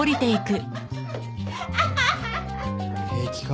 平気か？